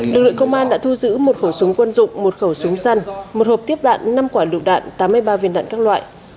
lực lượng công an đã thu giữ một khẩu súng quân dụng một khẩu súng săn một hộp tiếp đạn năm quả lựu đạn tám mươi ba viên đạn các loại